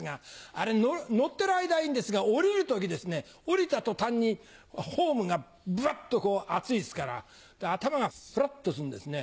あれ乗ってる間はいいんですが降りる時ですね降りた途端にホームがブワっと暑いですから頭がフラっとするんですね。